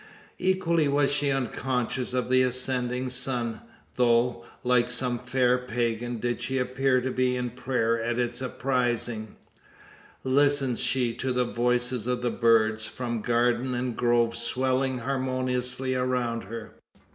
Equally was she unconscious of the ascending sun; though, like some fair pagan, did she appear to be in prayer at its apprising! Listened she to the voices of the birds, from garden and grove swelling harmoniously around her?